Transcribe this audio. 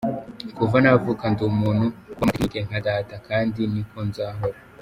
"Kuva navuka ndi umuntu w'amatekinike nka data, kandi ni ko nzahora.